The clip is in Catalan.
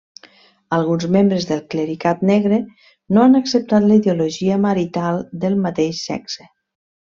Alguns membres del clericat negre no han acceptat la ideologia marital del mateix sexe.